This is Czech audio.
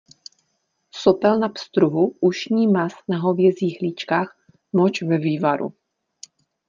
Sopel na pstruhu, ušní maz na hovězích líčkách, moč ve vývaru.